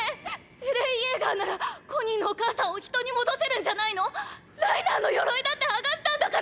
エレン・イェーガーならコニーのお母さんを人に戻せるんじゃないの⁉ライナーの鎧だって剥がしたんだから！！